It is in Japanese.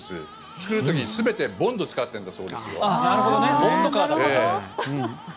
作る時に全てボンドを使っているそうなんです。